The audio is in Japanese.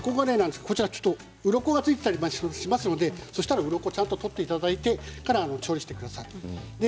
うろこがついていたりしますのでうろこをちゃんと取っていただいてから調理してください。